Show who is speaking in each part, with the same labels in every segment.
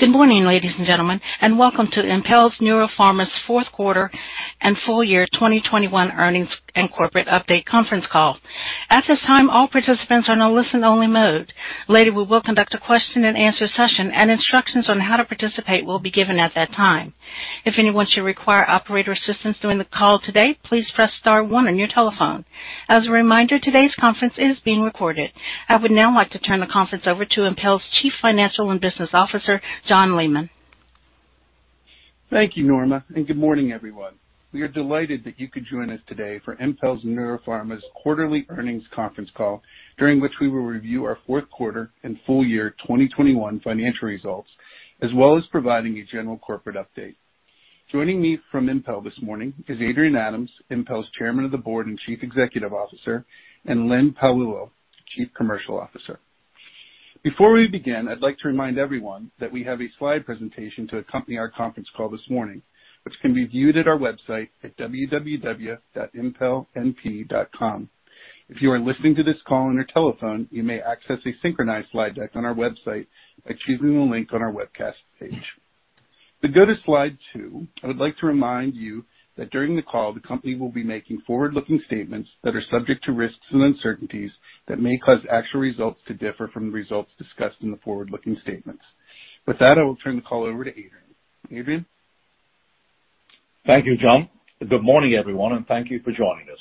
Speaker 1: Good morning, ladies and gentlemen, and welcome to Impel NeuroPharma's Fourth Quarter and Full Year 2021 Earnings and Corporate Update Conference Call. At this time, all participants are in a listen-only mode. Later, we will conduct a question and answer session, and instructions on how to participate will be given at that time. If anyone should require operator assistance during the call today, please press star 1 on your telephone. As a reminder, today's conference is being recorded. I would now like to turn the conference over to Impel NeuroPharma's Chief Financial and Business Officer, John Leaman.
Speaker 2: Thank you, Norma. Good morning, everyone. We are delighted that you could join us today for Impel NeuroPharma's Quarterly Earnings Conference Call, during which we will review our fourth quarter and full year 2021 financial results, as well as providing a general corporate update. Joining me from Impel this morning is Adrian Adams, Impel's Chairman of the Board and Chief Executive Officer, and Len Paolillo, Chief Commercial Officer. Before we begin, I'd like to remind everyone that we have a slide presentation to accompany our conference call this morning, which can be viewed at our website at www.impelnp.com. If you are listening to this call on your telephone, you may access a synchronized slide deck on our website by choosing the link on our webcast page. To go to slide 2, I would like to remind you that during the call, the company will be making forward-looking statements that are subject to risks and uncertainties that may cause actual results to differ from the results discussed in the forward-looking statements. With that, I will turn the call over to Adrian. Adrian?
Speaker 3: Thank you, John. Good morning, everyone, and thank you for joining us.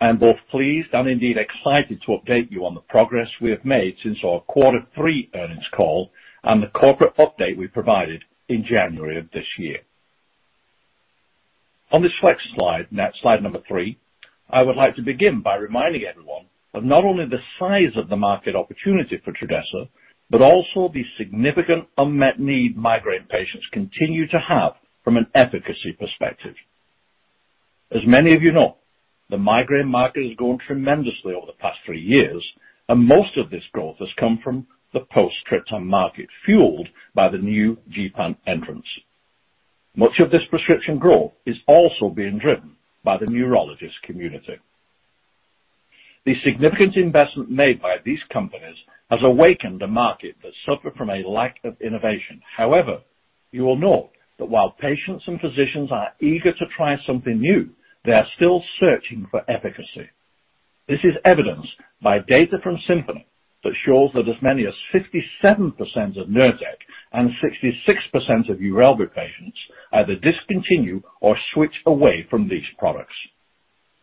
Speaker 3: I am both pleased and indeed excited to update you on the progress we have made since our quarter three earnings call and the corporate update we provided in January of this year. On this next slide number 3, I would like to begin by reminding everyone of not only the size of the market opportunity for Trudhesa, but also the significant unmet need migraine patients continue to have from an efficacy perspective. As many of you know, the migraine market has grown tremendously over the past three years, and most of this growth has come from the post-triptan market, fueled by the new gepant entrants. Much of this prescription growth is also being driven by the neurologist community. The significant investment made by these companies has awakened a market that suffered from a lack of innovation. However, you will note that while patients and physicians are eager to try something new, they are still searching for efficacy. This is evidenced by data from Symphony that shows that as many as 57% of Nurtec and 66% of Ubrelvy patients either discontinue or switch away from these products.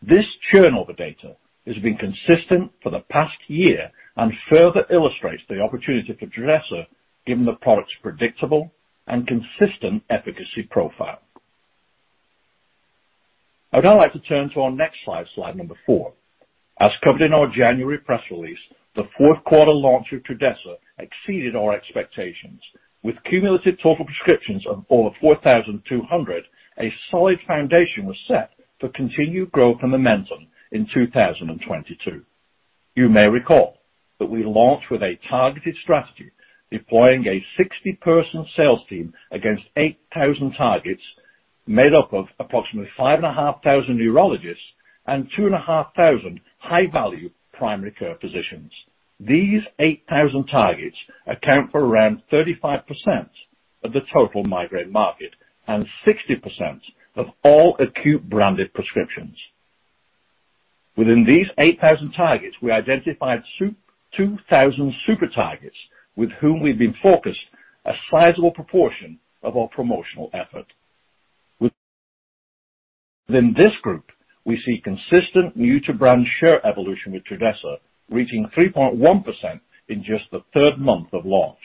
Speaker 3: This churn over data has been consistent for the past year and further illustrates the opportunity for Trudhesa, given the product's predictable and consistent efficacy profile. I'd now like to turn to our next slide number 4. As covered in our January press release, the fourth quarter launch of Trudhesa exceeded our expectations. With cumulative total prescriptions of over 4,200, a solid foundation was set for continued growth and momentum in 2022. You may recall that we launched with a targeted strategy, deploying a 60-person sales team against 8,000 targets made up of approximately 5,500 neurologists and 2,500 high-value primary care physicians. These 8,000 targets account for around 35% of the total migraine market and 60% of all acute branded prescriptions. Within these 8,000 targets, we identified 2,000 super targets with whom we've been focused a sizable proportion of our promotional effort. Within this group, we see consistent new to brand share evolution with Trudhesa reaching 3.1% in just the 3rd month of launch.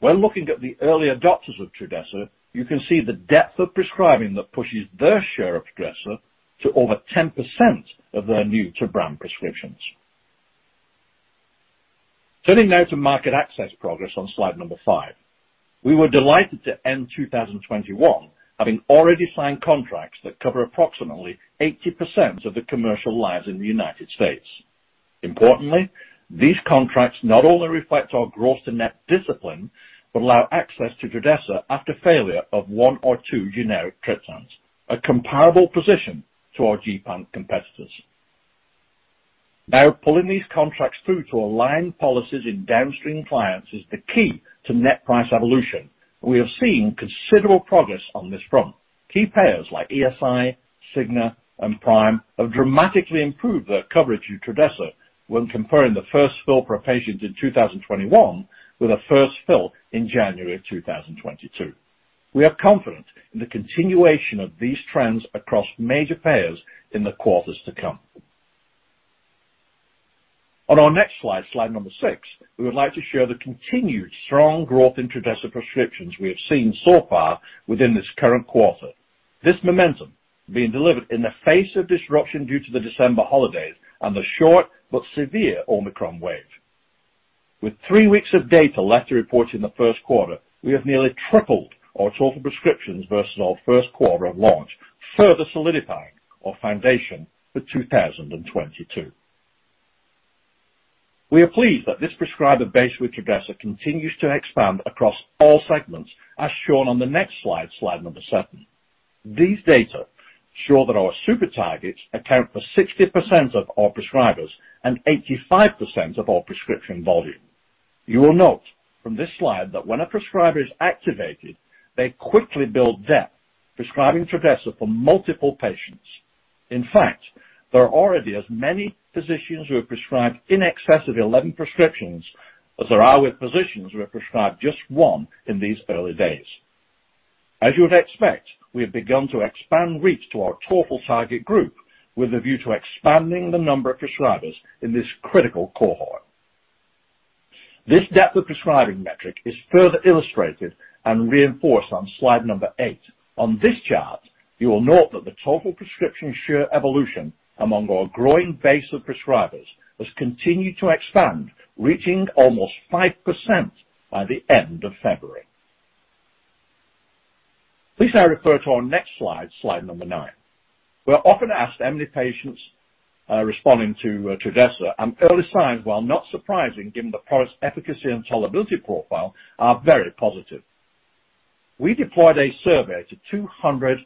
Speaker 3: When looking at the early adopters of Trudhesa, you can see the depth of prescribing that pushes their share of Trudhesa to over 10% of their new to brand prescriptions. Turning now to market access progress on slide 5. We were delighted to end 2021 having already signed contracts that cover approximately 80% of the covered lives in the United States. Importantly, these contracts not only reflect our gross and net discipline, but allow access to Trudhesa after failure of one or two generic triptans, a comparable position to our gepant competitors. Now, pulling these contracts through to align policies in downstream clients is the key to net price evolution. We have seen considerable progress on this front. Key payers like ESI, Cigna, and Prime have dramatically improved their coverage to Trudhesa when comparing the first fill for a patient in 2021 with a first fill in January 2022. We are confident in the continuation of these trends across major payers in the quarters to come. On our next slide, slide number 6, we would like to share the continued strong growth in Trudhesa prescriptions we have seen so far within this current quarter. This momentum being delivered in the face of disruption due to the December holidays and the short but severe Omicron wave. With three weeks of data left to report in the first quarter, we have nearly tripled our total prescriptions versus our first quarter of launch, further solidifying our foundation for 2022. We are pleased that this prescriber base with Trudhesa continues to expand across all segments, as shown on the next slide, slide 7. These data show that our super targets account for 60% of our prescribers and 85% of our prescription volume. You will note from this slide that when a prescriber is activated, they quickly build depth, prescribing Trudhesa for multiple patients. In fact, there are already as many physicians who have prescribed in excess of 11 prescriptions as there are with physicians who have prescribed just one in these early days. As you would expect, we have begun to expand reach to our total target group with a view to expanding the number of prescribers in this critical cohort. This depth of prescribing metric is further illustrated and reinforced on slide 8. On this chart, you will note that the total prescription share evolution among our growing base of prescribers has continued to expand, reaching almost 5% by the end of February. Please now refer to our next slide, slide 9. We're often asked how many patients are responding to Trudhesa, and early signs, while not surprising given the product's efficacy and tolerability profile, are very positive. We deployed a survey to 200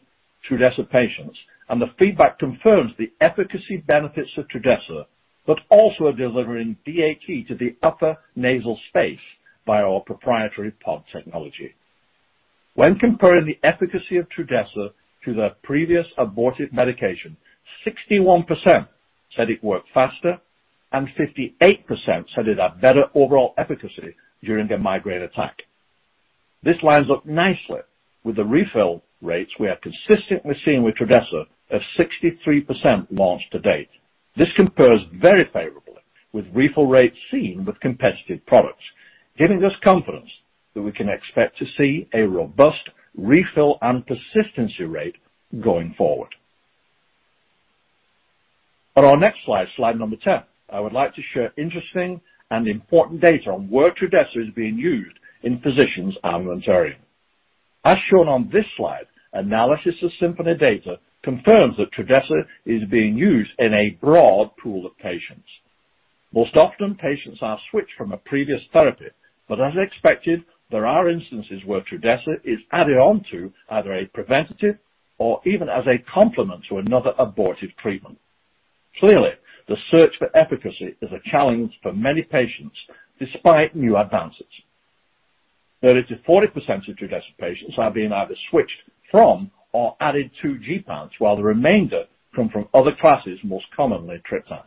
Speaker 3: Trudhesa patients, and the feedback confirms the efficacy benefits of Trudhesa, but also are delivering DHE to the upper nasal space by our proprietary POD technology. When comparing the efficacy of Trudhesa to the previous abortive medication, 61% said it worked faster and 58% said it had better overall efficacy during their migraine attack. This lines up nicely with the refill rates we have consistently seen with Trudhesa of 63% launched to date. This compares very favorably with refill rates seen with competitive products, giving us confidence that we can expect to see a robust refill and persistency rate going forward. On our next slide, slide 10, I would like to share interesting and important data on where Trudhesa is being used in physicians' armamentarium. As shown on this slide, analysis of Symphony data confirms that Trudhesa is being used in a broad pool of patients. Most often, patients are switched from a previous therapy, but as expected, there are instances where Trudhesa is added on to either a preventative or even as a complement to another abortive treatment. Clearly, the search for efficacy is a challenge for many patients despite new advances. 30%-40% of Trudhesa patients are being either switched from or added to gepants, while the remainder come from other classes, most commonly triptans.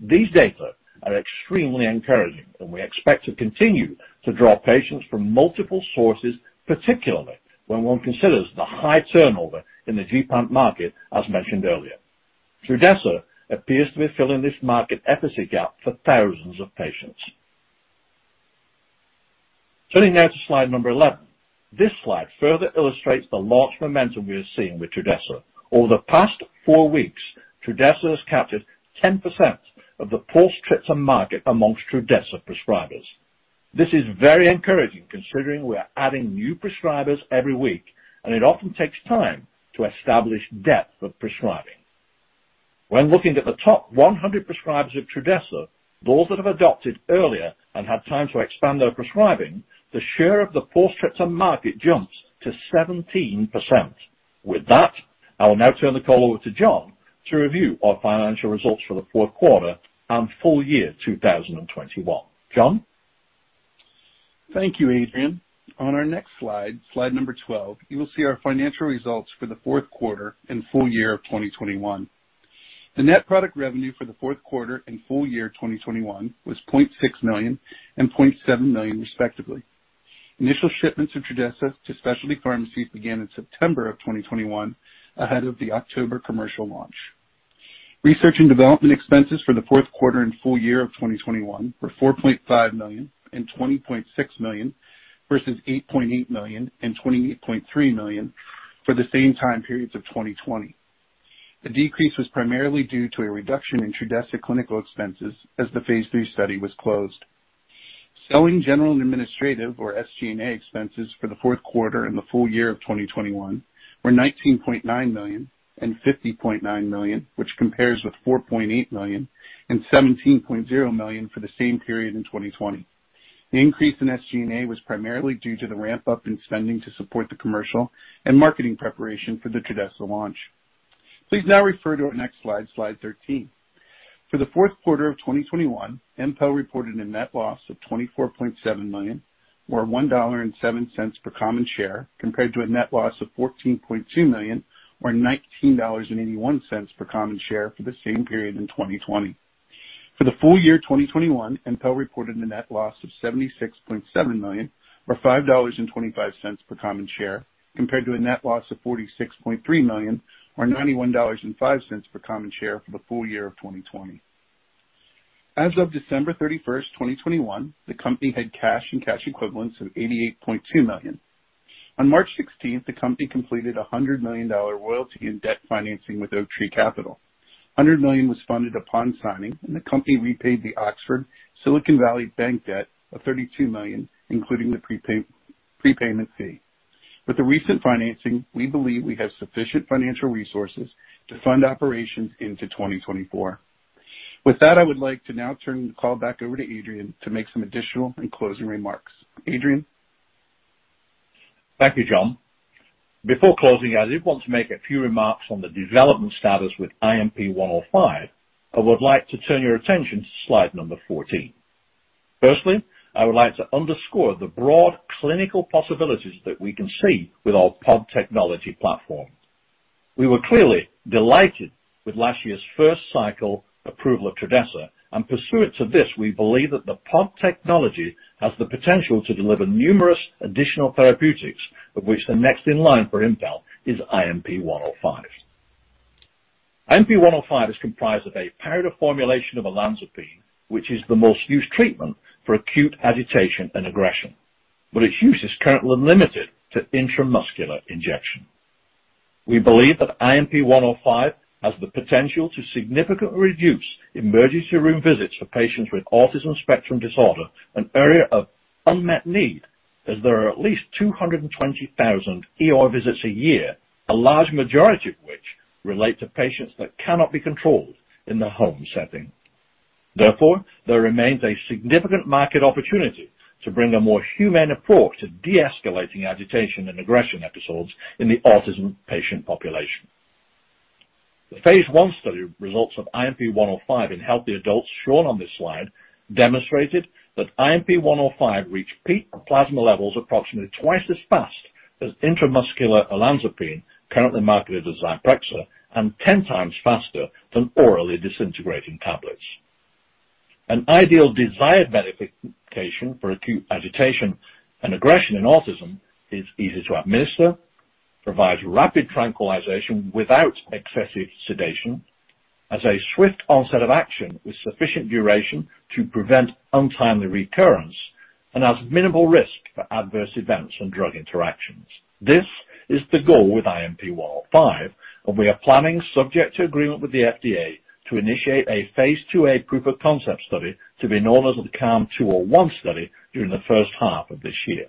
Speaker 3: These data are extremely encouraging, and we expect to continue to draw patients from multiple sources, particularly when one considers the high turnover in the gepant market, as mentioned earlier. Trudhesa appears to be filling this market efficacy gap for thousands of patients. Turning now to slide 11. This slide further illustrates the launch momentum we are seeing with Trudhesa. Over the past four weeks, Trudhesa has captured 10% of the post-triptan market among Trudhesa prescribers. This is very encouraging considering we are adding new prescribers every week, and it often takes time to establish depth of prescribing. When looking at the top 100 prescribers of Trudhesa, those that have adopted earlier and had time to expand their prescribing, the share of the post-triptan market jumps to 17%. With that, I will now turn the call over to John to review our financial results for the fourth quarter and full year 2021. John?
Speaker 2: Thank you, Adrian. On our next slide, slide 12, you will see our financial results for the fourth quarter and full year of 2021. The net product revenue for the fourth quarter and full year 2021 was $0.6 million and $0.7 million, respectively. Initial shipments of Trudhesa to specialty pharmacies began in September 2021, ahead of the October commercial launch. Research and development expenses for the fourth quarter and full year 2021 were $4.5 million and $20.6 million versus $8.8 million and $28.3 million for the same time periods of 2020. The decrease was primarily due to a reduction in Trudhesa clinical expenses as the phase III study was closed. Selling, general, and administrative, or SG&A expenses for the fourth quarter and the full year of 2021 were $19.9 million and $50.9 million, which compares with $4.8 million and $17.0 million for the same period in 2020. The increase in SG&A was primarily due to the ramp up in spending to support the commercial and marketing preparation for the Trudhesa launch. Please now refer to our next slide, slide 13. For the fourth quarter of 2021, Impel reported a net loss of $24.7 million, or $1.07 per common share, compared to a net loss of $14.2 million or $19.81 per common share for the same period in 2020. For the full year 2021, Impel reported a net loss of $76.7 million or $5.25 per common share, compared to a net loss of $46.3 million or $91.05 per common share for the full year of 2020. As of December 31, 2021, the company had cash and cash equivalents of $88.2 million. On March 16, the company completed a $100 million royalty and debt financing with Oaktree Capital Management. $100 million was funded upon signing, and the company repaid the Oxford Finance and Silicon Valley Bank debt of $32 million, including the prepayment fee. With the recent financing, we believe we have sufficient financial resources to fund operations into 2024. With that, I would like to now turn the call back over to Adrian to make some additional and closing remarks. Adrian?
Speaker 3: Thank you, John. Before closing out, I did want to make a few remarks on the development status with INP105. I would like to turn your attention to slide number 14. Firstly, I would like to underscore the broad clinical possibilities that we can see with our POD technology platform. We were clearly delighted with last year's first cycle approval of Trudhesa, and pursuant to this, we believe that the POD technology has the potential to deliver numerous additional therapeutics, of which the next in line for Impel is INP105. INP105 is comprised of a paired formulation of olanzapine, which is the most used treatment for acute agitation and aggression, but its use is currently limited to intramuscular injection. We believe that INP105 has the potential to significantly reduce emergency room visits for patients with autism spectrum disorder, an area of unmet need, as there are at least 220,000 ER visits a year, a large majority of which relate to patients that cannot be controlled in the home setting. Therefore, there remains a significant market opportunity to bring a more humane approach to de-escalating agitation and aggression episodes in the autism patient population. The phase I study results of INP105 in healthy adults shown on this slide demonstrated that INP105 reached peak plasma levels approximately twice as fast as intramuscular olanzapine, currently marketed as Zyprexa, and 10 times faster than orally disintegrating tablets. An ideal desired benefit location for acute agitation and aggression in autism is easy to administer, provides rapid tranquilization without excessive sedation, has a swift onset of action with sufficient duration to prevent untimely recurrence, and has minimal risk for adverse events and drug interactions. This is the goal with INP105, and we are planning, subject to agreement with the FDA, to initiate a phase IIa proof of concept study to be known as the CALM 201 study during the first half of this year.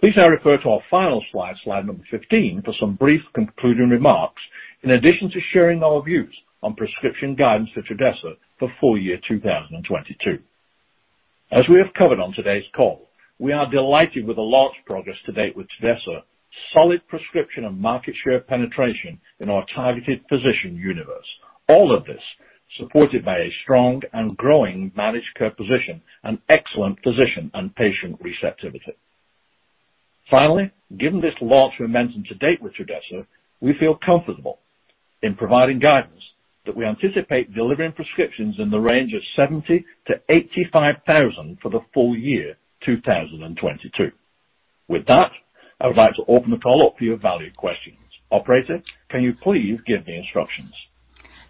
Speaker 3: Please now refer to our final slide, slide 15, for some brief concluding remarks, in addition to sharing our views on prescription guidance for Trudhesa for full year 2022. As we have covered on today's call, we are delighted with the launch progress to date with Trudhesa, solid prescription and market share penetration in our targeted physician universe. All of this supported by a strong and growing managed care position and excellent physician and patient receptivity. Finally, given this launch momentum to date with Trudhesa, we feel comfortable in providing guidance that we anticipate delivering prescriptions in the range of 70,000-85,000 for the full year 2022. With that, I would like to open the call up for your valued questions. Operator, can you please give the instructions?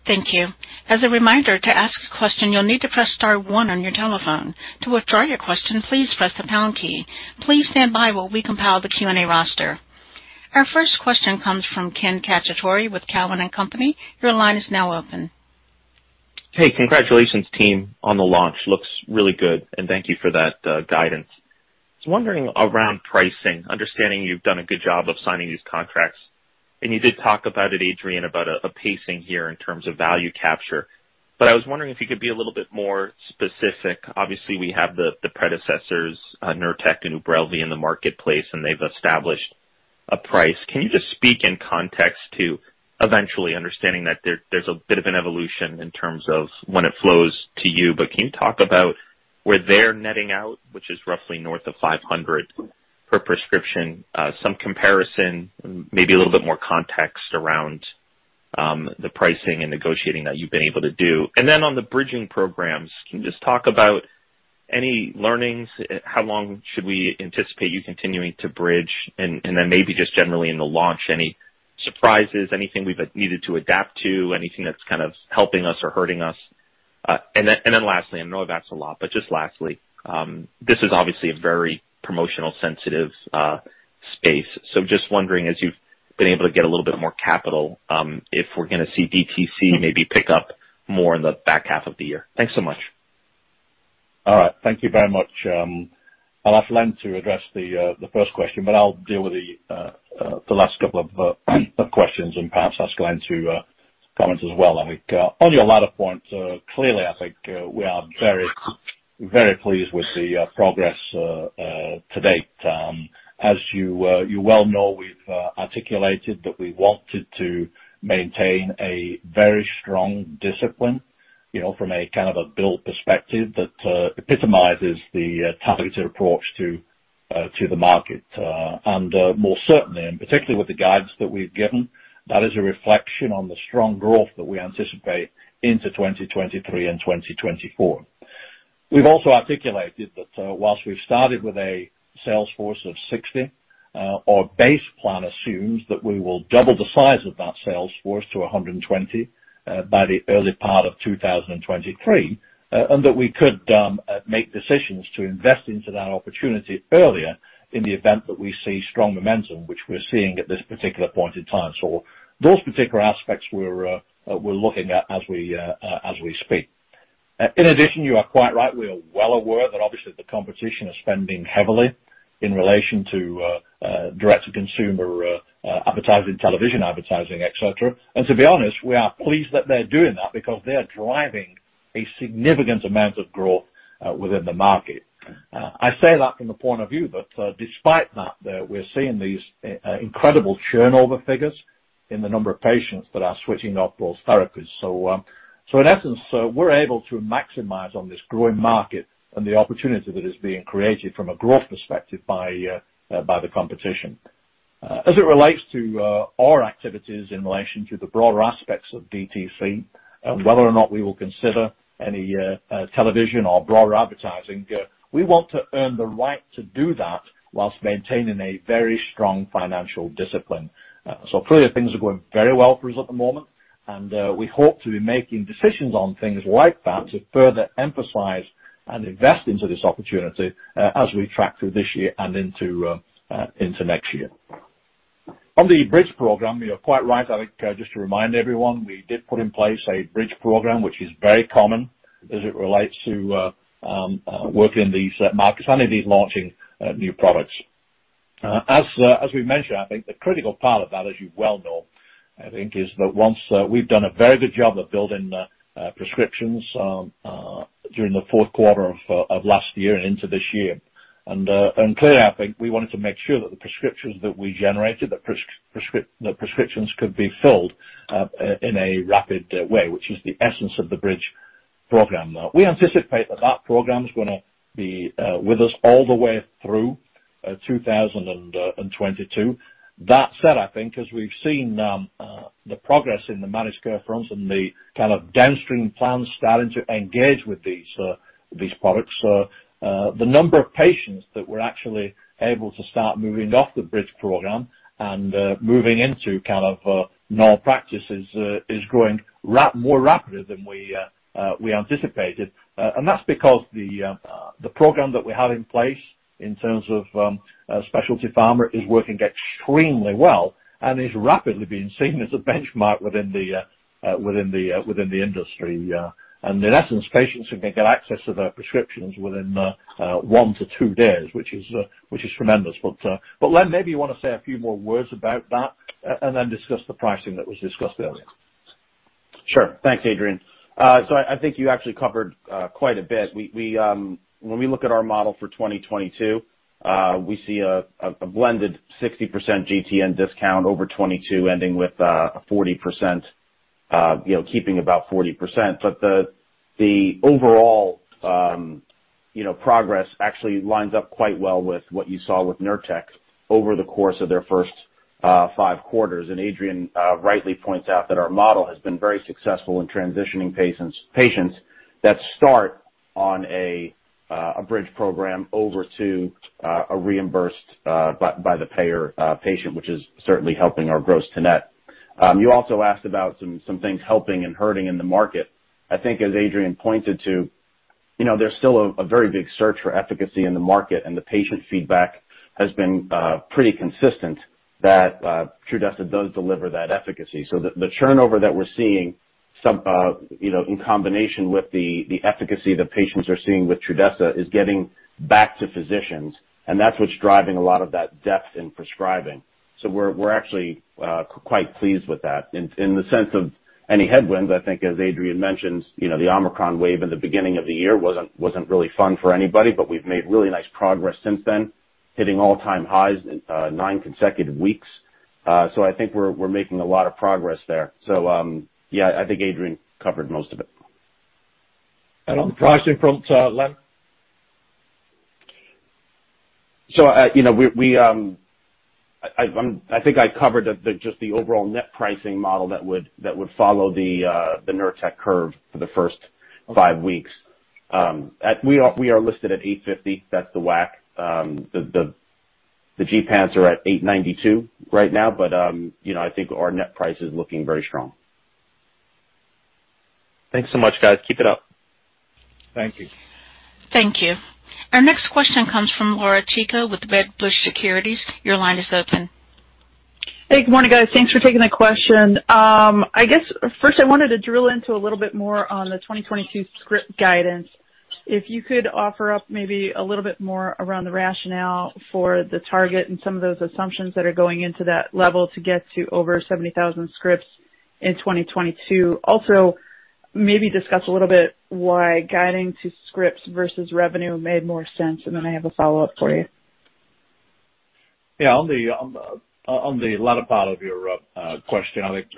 Speaker 1: Thank you. As a reminder, to ask a question, you'll need to press star 1 on your telephone. To withdraw your question, please press the pound key. Please stand by while we compile the Q&A roster. Our first question comes from Ken Cacciatore with Cowen and Company. Your line is now open.
Speaker 4: Hey, congratulations, team, on the launch. Looks really good. Thank you for that guidance. I was wondering about pricing, understanding you've done a good job of signing these contracts, and you did talk about it, Adrian, about a pacing here in terms of value capture. I was wondering if you could be a little bit more specific. Obviously, we have the predecessors, Nurtec and Ubrelvy in the marketplace, and they've established a price. Can you just speak in context to eventually understanding that there's a bit of an evolution in terms of when it flows to you, but can you talk about where they're netting out, which is roughly north of $500 per prescription, some comparison, maybe a little bit more context about the pricing and negotiating that you've been able to do? On the bridging programs, can you just talk about any learnings? How long should we anticipate you continuing to bridge? Then maybe just generally in the launch, any surprises, anything we've needed to adapt to, anything that's kind of helping us or hurting us? Lastly, I know that's a lot, but just lastly, this is obviously a very promotionally sensitive space. Just wondering, as you've been able to get a little bit more capital, if we're gonna see DTC maybe pick up more in the back half of the year. Thanks so much.
Speaker 3: All right. Thank you very much. I'll ask Len to address the first question, but I'll deal with the last couple of questions and perhaps ask Len to comment as well. I think on your latter point, clearly, I think we are very, very pleased with the progress to date. As you well know, we've articulated that we wanted to maintain a very strong discipline, you know, from a kind of a build perspective that epitomizes the targeted approach to the market. More certainly, and particularly with the guidance that we've given, that is a reflection on the strong growth that we anticipate into 2023 and 2024. We've also articulated that, while we've started with a sales force of 60, our base plan assumes that we will double the size of that sales force to 120 by the early part of 2023, and that we could make decisions to invest into that opportunity earlier in the event that we see strong momentum, which we're seeing at this particular point in time. So those particular aspects we're looking at as we speak. In addition, you are quite right. We are well aware that obviously the competition is spending heavily in relation to direct to consumer advertising, television advertising, etc. To be honest, we are pleased that they're doing that because they are driving a significant amount of growth within the market. I say that from the point of view that, despite that, we're seeing these incredible turnover figures in the number of patients that are switching off those therapies. In essence, we're able to maximize on this growing market and the opportunity that is being created from a growth perspective by the competition. As it relates to our activities in relation to the broader aspects of DTC and whether or not we will consider any television or broader advertising, we want to earn the right to do that whilst maintaining a very strong financial discipline. Clearly things are going very well for us at the moment, and we hope to be making decisions on things like that to further emphasize and invest into this opportunity, as we track through this year and into next year. On the bridge program, you're quite right. I think just to remind everyone, we did put in place a bridge program, which is very common as it relates to working in these markets, any of these launching new products. As we mentioned, I think the critical part of that, as you well know, I think, is that once we've done a very good job of building the prescriptions during the fourth quarter of last year and into this year. Clearly, I think we wanted to make sure that the prescriptions that we generated could be filled in a rapid way, which is the essence of the bridge program. Now, we anticipate that program is gonna be with us all the way through 2022. That said, I think as we've seen, the progress in the managed care fronts and the kind of downstream plans starting to engage with these products, the number of patients that we're actually able to start moving off the bridge program and moving into kind of normal practices is growing more rapidly than we anticipated. That's because the program that we have in place in terms of a specialty pharma is working extremely well and is rapidly being seen as a benchmark within the industry. In essence, patients can get access to their prescriptions within 1-2 days, which is tremendous. Len, maybe you wanna say a few more words about that and then discuss the pricing that was discussed earlier.
Speaker 5: Sure. Thanks, Adrian. So I think you actually covered quite a bit. We when we look at our model for 2022, we see a blended 60% GTN discount over 2022 ending with a 40%, you know, keeping about 40%. But the overall progress actually lines up quite well with what you saw with Nurtec over the course of their first five quarters. Adrian rightly points out that our model has been very successful in transitioning patients that start on a bridge program over to a reimbursed by the payer patient, which is certainly helping our gross to net. You also asked about some things helping and hurting in the market. I think as Adrian pointed to, you know, there's still a very big search for efficacy in the market, and the patient feedback has been pretty consistent that Trudhesa does deliver that efficacy. The turnover that we're seeing, some, you know, in combination with the efficacy that patients are seeing with Trudhesa is getting back to physicians, and that's what's driving a lot of that depth in prescribing. We're actually quite pleased with that. In the sense of any headwinds, I think as Adrian mentioned, you know, the Omicron wave in the beginning of the year wasn't really fun for anybody, but we've made really nice progress since then, hitting all-time highs nine consecutive weeks. I think we're making a lot of progress there. Yeah, I think Adrian covered most of it.
Speaker 3: On the pricing front, Len?
Speaker 5: I think I covered just the overall net pricing model that would follow the Nurtec curve for the first five weeks. We are listed at $850. That's the WAC. The gepants are at $892 right now. But you know, I think our net price is looking very strong.
Speaker 4: Thanks so much, guys. Keep it up.
Speaker 3: Thank you.
Speaker 1: Thank you. Our next question comes from Laura Chico with Wedbush Securities. Your line is open.
Speaker 6: Hey, good morning, guys. Thanks for taking the question. I guess first I wanted to drill into a little bit more on the 2022 script guidance. If you could offer up maybe a little bit more around the rationale for the target and some of those assumptions that are going into that level to get to over 70,000 scripts in 2022. Also, maybe discuss a little bit why guiding to scripts versus revenue made more sense. I have a follow-up for you.
Speaker 3: Yeah. On the latter part of your question, I think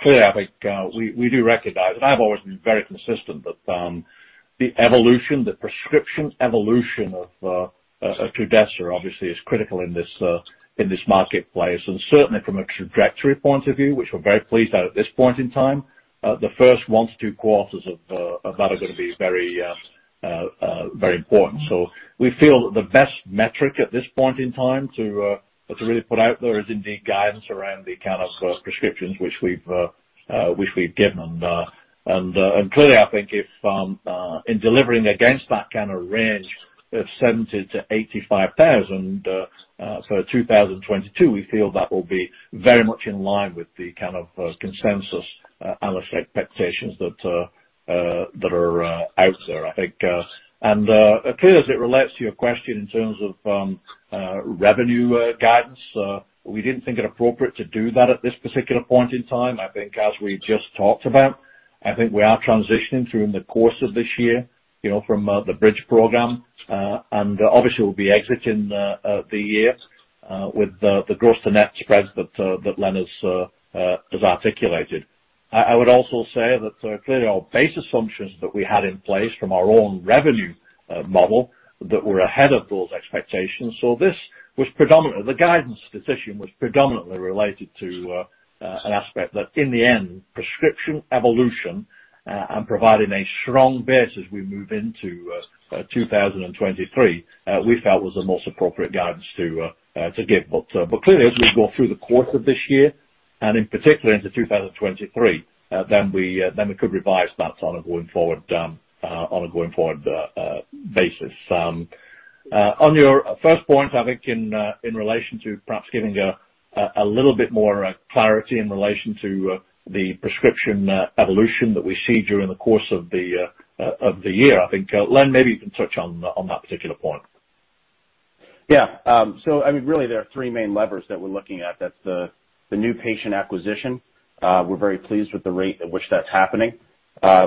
Speaker 3: clearly, I think we do recognize, and I've always been very consistent, that the evolution, the prescription evolution of Trudhesa obviously is critical in this marketplace. Certainly from a trajectory point of view, which we're very pleased at this point in time, the first 1-2 quarters of that are gonna be very important. We feel that the best metric at this point in time to really put out there is indeed guidance around the kind of prescriptions which we've given. Clearly, I think if in delivering against that kind of range of 70,000-85,000 for 2022, we feel that will be very much in line with the kind of consensus analyst expectations that are out there, I think. Clearly as it relates to your question in terms of revenue guidance, we didn't think it appropriate to do that at this particular point in time. I think as we just talked about, I think we are transitioning through the course of this year, you know, from the bridge program. Obviously we'll be exiting the year with the gross to net spreads that Len has articulated. I would also say that clearly our base assumptions that we had in place from our own revenue model that were ahead of those expectations. This was predominantly the guidance decision was predominantly related to an aspect that in the end prescription evolution and providing a strong base as we move into 2023 we felt was the most appropriate guidance to give. Clearly, as we go through the course of this year, and in particular into 2023, then we could revise that on a going forward basis. On your first point, I think in relation to perhaps giving a little bit more clarity in relation to the prescription evolution that we see during the course of the year, I think Len, maybe you can touch on that particular point.
Speaker 5: Yeah. I mean, really there are three main levers that we're looking at. That's the new patient acquisition. We're very pleased with the rate at which that's happening.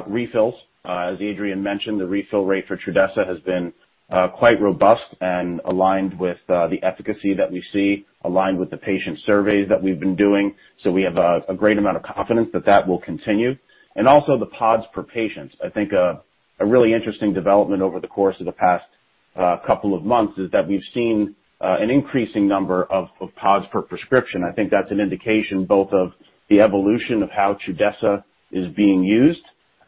Speaker 5: Refills. As Adrian mentioned, the refill rate for Trudhesa has been quite robust and aligned with the efficacy that we see, aligned with the patient surveys that we've been doing. We have a great amount of confidence that that will continue. Also the PODs per patient. I think a really interesting development over the course of the past couple of months is that we've seen an increasing number of PODs per prescription. I think that's an indication both of the evolution of how Trudhesa is being used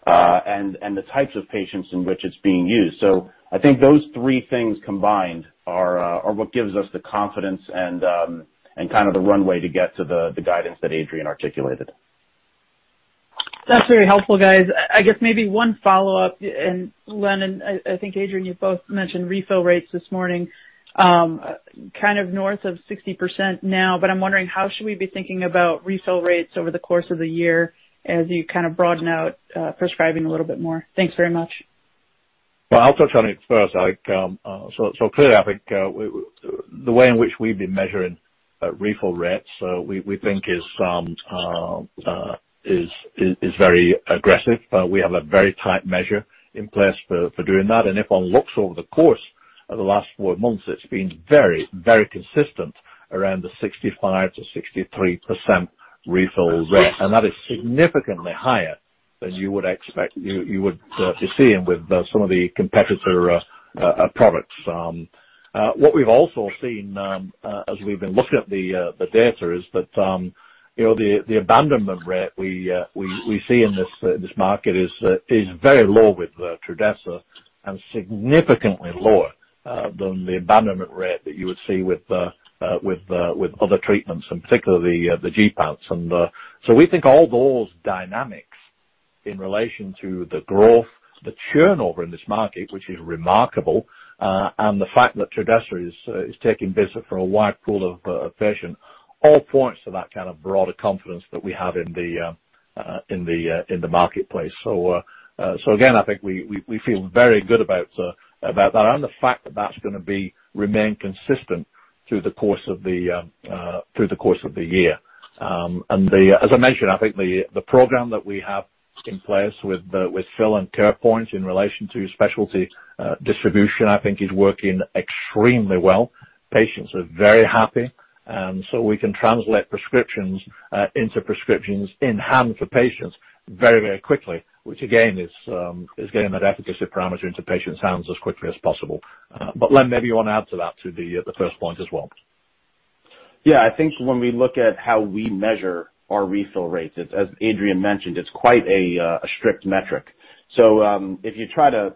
Speaker 5: and the types of patients in which it's being used. I think those three things combined are what gives us the confidence and kind of the runway to get to the guidance that Adrian articulated.
Speaker 6: That's very helpful, guys. I guess maybe one follow-up. Len and I think Adrian, you both mentioned refill rates this morning. Kind of north of 60% now, but I'm wondering, how should we be thinking about refill rates over the course of the year as you kind of broaden out, prescribing a little bit more? Thanks very much.
Speaker 3: Well, I'll touch on it first. I think clearly I think the way in which we've been measuring refill rates we think is very aggressive. We have a very tight measure in place for doing that. If one looks over the course of the last four months, it's been very consistent around the 65%-63% refill rate. That is significantly higher than you would expect you would be seeing with some of the competitor products. What we've also seen, as we've been looking at the data is that, you know, the abandonment rate we see in this market is very low with Trudhesa and significantly lower than the abandonment rate that you would see with the other treatments, and particularly, the gepants. We think all those dynamics in relation to the growth, the turnover in this market, which is remarkable, and the fact that Trudhesa is taking business from a wide pool of patients, all points to that kind of broader confidence that we have in the marketplace. Again, I think we feel very good about that and the fact that that's gonna remain consistent through the course of the year. As I mentioned, I think the program that we have in place with Phil and CarePoint in relation to specialty distribution is working extremely well. Patients are very happy. We can translate prescriptions into prescriptions in-hand for patients very quickly. Which again is getting that efficacy parameter into patients' hands as quickly as possible. Len, maybe you wanna add to that, to the first point as well.
Speaker 5: Yeah. I think when we look at how we measure our refill rates, as Adrian mentioned, it's quite a strict metric. So, if you try to,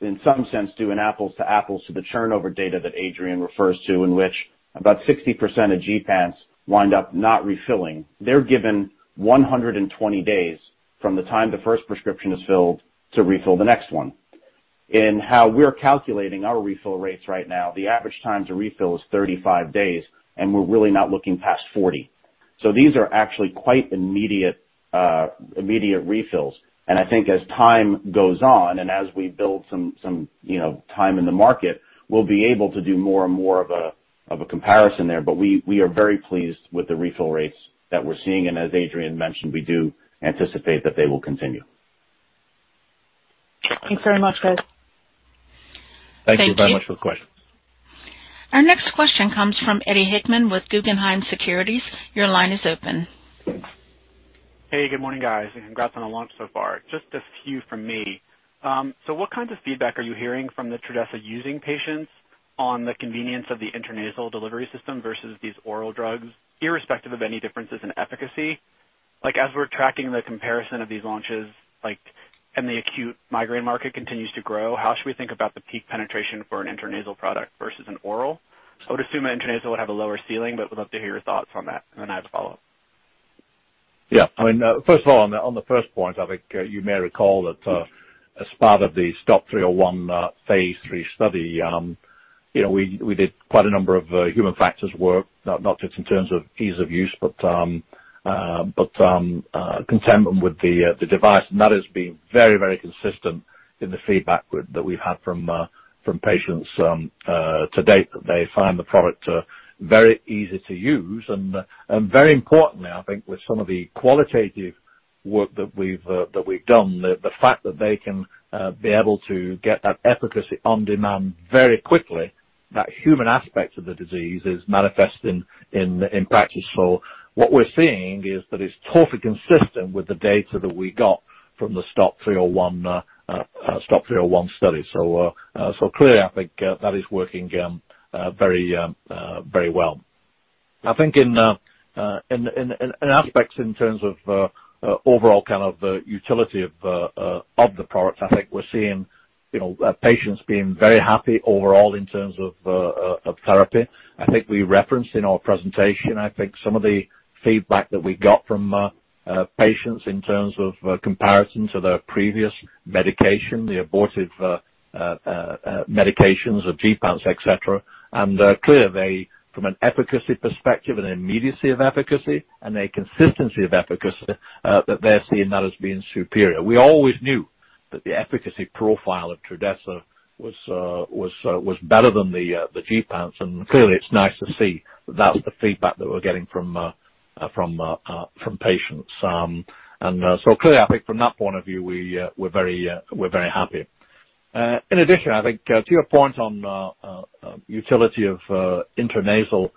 Speaker 5: in some sense, do an apples-to-apples to the turnover data that Adrian refers to, in which about 60% of gepants wind up not refilling, they're given 120 days from the time the first prescription is filled to refill the next one. In how we're calculating our refill rates right now, the average time to refill is 35 days, and we're really not looking past 40. So these are actually quite immediate refills. I think as time goes on and as we build some, you know, time in the market, we'll be able to do more and more of a comparison there. We are very pleased with the refill rates that we're seeing. As Adrian mentioned, we do anticipate that they will continue.
Speaker 6: Thanks very much, guys.
Speaker 3: Thank you very much for the question.
Speaker 1: Thank you. Our next question comes from Eddie Hickman with Guggenheim Securities. Your line is open.
Speaker 7: Hey, good morning, guys, and congrats on the launch so far. Just a few from me. What kinds of feedback are you hearing from the Trudhesa-using patients on the convenience of the intranasal delivery system versus these oral drugs, irrespective of any differences in efficacy? Like, as we're tracking the comparison of these launches, like, and the acute migraine market continues to grow, how should we think about the peak penetration for an intranasal product versus an oral? I would assume an intranasal would have a lower ceiling, but would love to hear your thoughts on that. I have a follow-up.
Speaker 3: Yeah. I mean, first of all, on the first point, I think you may recall that, as part of the STOP 301, phase III study, you know, we did quite a number of human factors work, not just in terms of ease of use, but contentment with the device. That has been very, very consistent in the feedback with that we've had from patients to date, that they find the product very easy to use. Very importantly, I think with some of the qualitative work that we've done. The fact that they can be able to get that efficacy on demand very quickly, that human aspect of the disease is manifesting in practice. What we're seeing is that it's totally consistent with the data that we got from the STOP 301 study. Clearly, I think that is working very well. I think in aspects in terms of overall kind of utility of the product, I think we're seeing, you know, patients being very happy overall in terms of therapy. I think we referenced in our presentation, I think some of the feedback that we got from patients in terms of comparison to their previous medication, the abortive medications of gepants, et cetera. Clearly they, from an efficacy perspective and immediacy of efficacy and a consistency of efficacy, that they're seeing that as being superior. We always knew that the efficacy profile of Trudhesa was better than the gepants. Clearly it's nice to see that that's the feedback that we're getting from patients. Clearly, I think from that point of view, we're very happy. In addition, I think to your point on utility of intranasal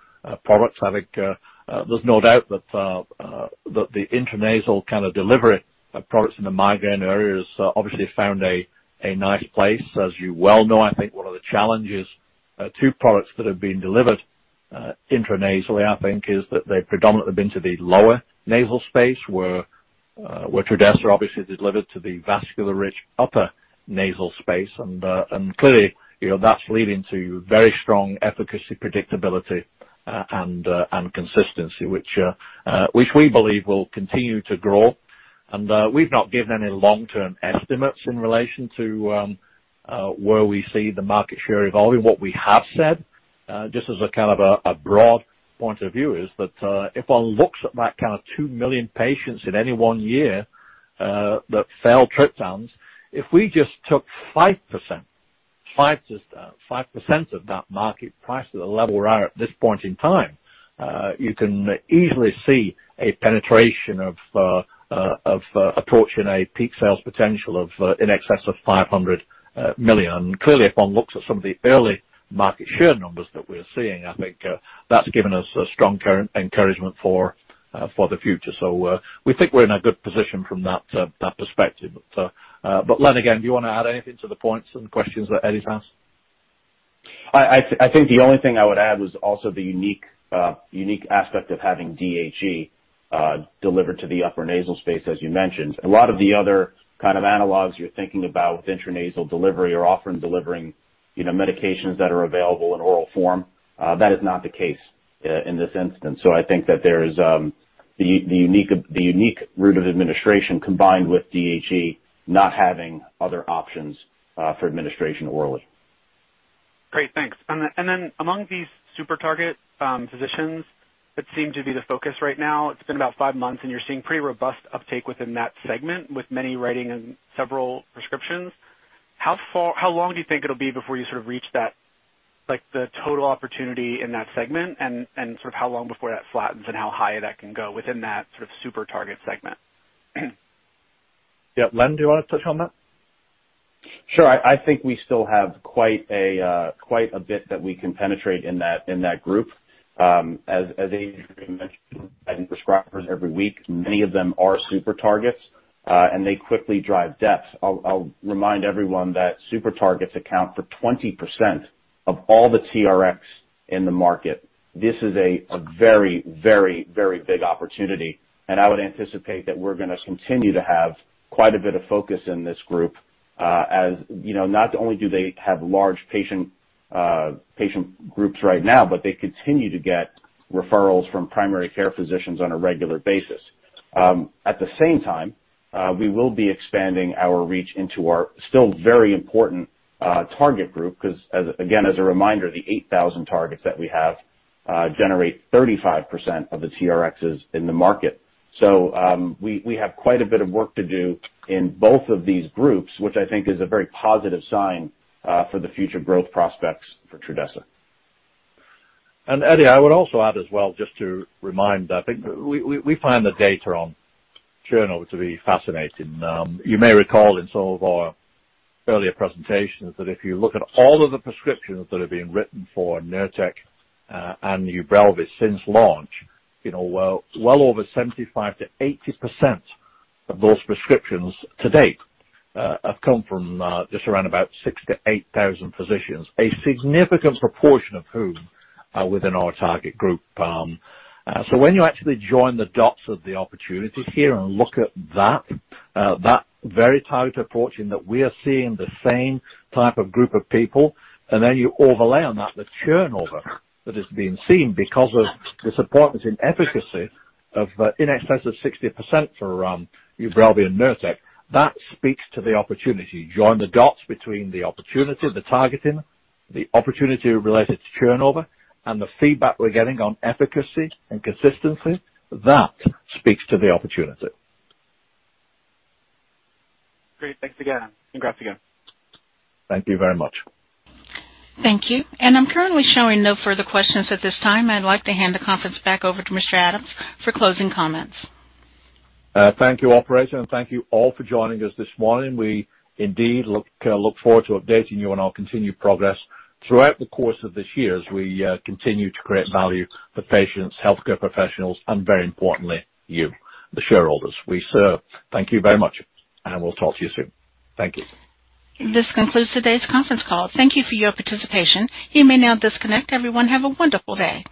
Speaker 3: products. I think there's no doubt that the intranasal kind of delivery of products in the migraine area has obviously found a nice place. As you well know, I think one of the challenges to products that have been delivered intranasally, I think, is that they predominantly been to the lower nasal space where Trudhesa obviously delivered to the vascular rich upper nasal space. Clearly, you know, that's leading to very strong efficacy, predictability, and consistency, which we believe will continue to grow. We've not given any long-term estimates in relation to where we see the market share evolving. What we have said, just as a kind of a broad point of view, is that, if one looks at that kind of 2 million patients in any one year that fail triptans, if we just took 5% of that market size at the level we're at this point in time, you can easily see a penetration of approaching a peak sales potential of in excess of $500 million. Clearly, if one looks at some of the early market share numbers that we're seeing, I think that's given us a strong current encouragement for the future. We think we're in a good position from that perspective. Len, again, do you want to add anything to the points and questions that Eddie's asked?
Speaker 5: I think the only thing I would add was also the unique aspect of having DHE delivered to the upper nasal space, as you mentioned. A lot of the other kind of analogs you're thinking about with intranasal delivery are often delivering, you know, medications that are available in oral form. That is not the case in this instance. I think that there is the unique route of administration combined with DHE not having other options for administration orally.
Speaker 7: Great. Thanks. Then among these Super Target physicians that seem to be the focus right now, it's been about five months, and you're seeing pretty robust uptake within that segment, with many writing in several prescriptions. How long do you think it'll be before you sort of reach that, like the total opportunity in that segment? Sort of how long before that flattens and how high that can go within that sort of Super Target segment?
Speaker 3: Yeah. Len, do you want to touch on that?
Speaker 5: Sure. I think we still have quite a bit that we can penetrate in that group. As Adrian mentioned, adding prescribers every week, many of them are Super Targets, and they quickly drive depth. I'll remind everyone that Super Targets account for 20% of all the TRxs in the market. This is a very big opportunity, and I would anticipate that we're gonna continue to have quite a bit of focus in this group. As you know, not only do they have large patient groups right now, but they continue to get referrals from primary care physicians on a regular basis. At the same time, we will be expanding our reach into our still very important target group, 'cause as, again, as a reminder, the 8,000 targets that we have generate 35% of the TRxs in the market. We have quite a bit of work to do in both of these groups, which I think is a very positive sign for the future growth prospects for Trudhesa.
Speaker 3: Eddie, I would also add as well, just to remind, I think we find the data on churn over to be fascinating. You may recall in some of our earlier presentations that if you look at all of the prescriptions that are being written for Nurtec and Ubrelvy since launch, you know, well over 75%-80% of those prescriptions to date have come from just around about 6,000-8,000 physicians, a significant proportion of whom are within our target group. So when you actually join the dots of the opportunity here and look at that very tight approach in that we are seeing the same type of group of people. You overlay on that, the churn over that is being seen because of the support that's in efficacy of in excess of 60% for Ubrelvy and Nurtec. That speaks to the opportunity. Join the dots between the opportunity, the targeting, the opportunity related to churn over, and the feedback we're getting on efficacy and consistency. That speaks to the opportunity.
Speaker 7: Great. Thanks again. Congrats again.
Speaker 3: Thank you very much.
Speaker 1: Thank you. I'm currently showing no further questions at this time. I'd like to hand the conference back over to Mr. Adams for closing comments.
Speaker 3: Thank you, operator, and thank you all for joining us this morning. We indeed look forward to updating you on our continued progress throughout the course of this year as we continue to create value for patients, healthcare professionals, and very importantly, you, the shareholders we serve. Thank you very much, and we'll talk to you soon. Thank you.
Speaker 1: This concludes today's conference call. Thank you for your participation. You may now disconnect. Everyone, have a wonderful day.